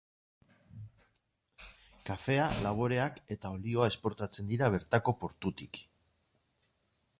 Kafea, laboreak eta olioa esportatzen dira bertako portutik.